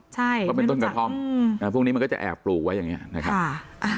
ใช่ก็เป็นต้นกระท่อมอืมอ่าพรุ่งนี้มันก็จะแอบปลูกไว้อย่างเงี้ยค่ะอ่า